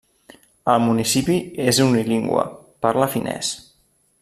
El municipi és unilingüe, parla finès.